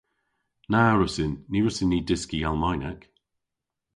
Na wrussyn. Ny wrussyn ni dyski Almaynek.